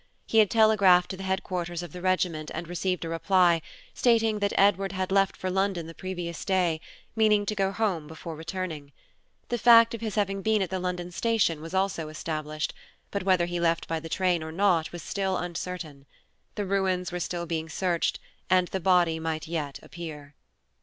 He had telegraphed to the headquarters of the regiment and received a reply, stating that Edward had left for London the previous day, meaning to go home before returning. The fact of his having been at the London station was also established, but whether he left by the train or not was still uncertain. The ruins were still being searched, and the body might yet appear.